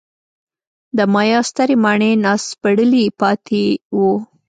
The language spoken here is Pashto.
د مایا سترې ماڼۍ ناسپړلي پاتې وو.